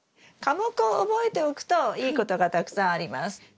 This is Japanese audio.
科目を覚えておくといいことがたくさんあります。